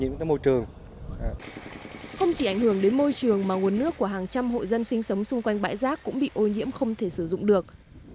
không chỉ ảnh hưởng đến môi trường mà nguồn nước của hàng trăm hộ dân sinh sống xung quanh bãi rác cũng bị ô nhiễm không thể sử dụng được